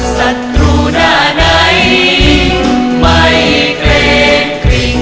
สัตว์ธุหน้าในไม่เกรงกริ่ง